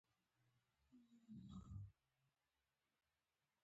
په فیوډالي نظام کې مؤلده ځواکونه وده وکړه.